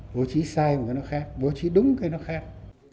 bố trí sai mà nó khác bố trí đúng cái nó khác